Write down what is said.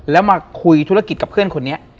แล้วมาคุยธุรกิจกับเพื่อนคนนี้